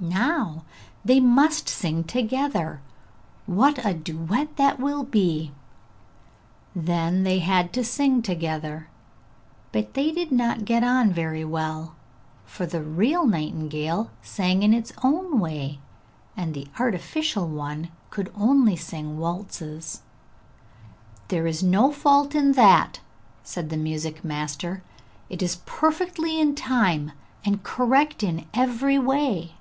'Now, they must sing together; what a duet that will be.' Then they had to sing together, but they did not get on very well, for the real nightingale sang in its own way, and the artificial one could only sing waltzes. 'There is no fault in that,' said the music master; 'it is perfectly in time and correct in every way!'